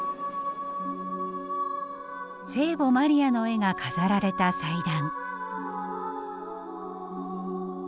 聖母マリアの絵が飾られた祭壇。